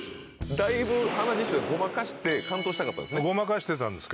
だいぶ鼻血って、ごまかして完投したかったんですね。